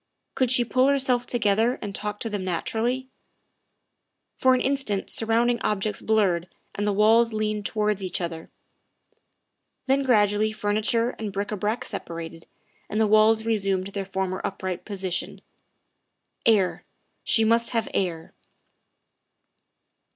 Could she pull herself together and talk to them naturally? For an instant surrounding objects blurred and the walls leaned towards each other; then gradually furniture and bric a brac separated, and the walls resumed their former upright position. Air she must have air.